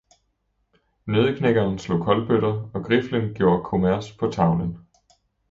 Nøddeknækkeren slog kolbøtter, og griflen gjorde kommers på tavlen.